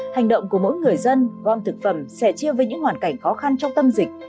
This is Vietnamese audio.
hành động của mỗi người dân gom thực phẩm sẽ chia với những hoàn cảnh khó khăn trong tâm dịch